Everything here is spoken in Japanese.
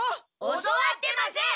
教わってません！